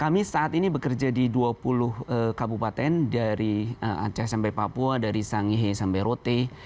kami saat ini bekerja di dua puluh kabupaten dari aceh sampai papua dari sangihe sampai rote